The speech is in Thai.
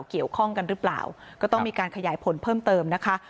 เกี่ยวข้องกันหรือเปล่าก็ต้องมีการขยายผลเพิ่มเติมนะคะ